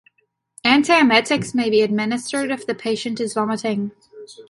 Antiemetics may be administered if the patient is vomiting.